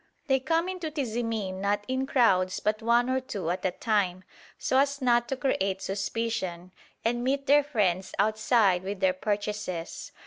They come into Tizimin not in crowds but one or two at a time, so as not to create suspicion, and meet their friends outside with their purchases.